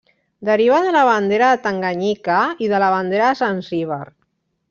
Deriva de la bandera de Tanganyika i de la bandera de Zanzíbar.